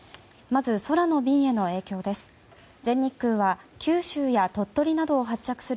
まず、空の便への影響です。